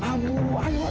aduh apaan sih mak